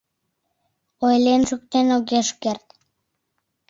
Ойлен шуктен огеш керт